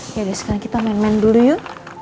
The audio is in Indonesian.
oke deh sekarang kita main main dulu yuk